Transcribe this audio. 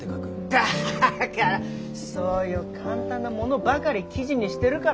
だからそういう簡単なものばかり記事にしてるから。